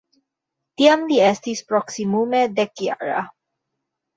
Tiam li estis proksimume dekjara.